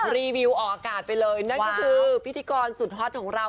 รีวิวออกอากาศไปเลยนั่นก็คือพิธีกรสุดฮอตของเรา